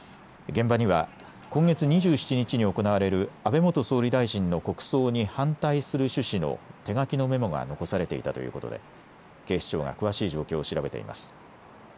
現場には今月２７日に行われる安倍元総理大臣の国葬に反対する趣旨の手書きのメモが残されていたということで警視庁が詳しい状況を調べています。